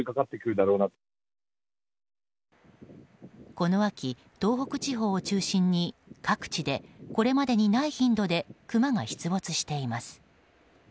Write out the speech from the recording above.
この秋、東北地方を中心に各地でこれまでにない頻度でクマが出没しています。